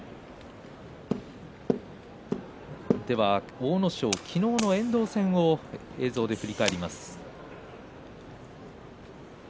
阿武咲、昨日の遠藤戦を映像で振り返ります。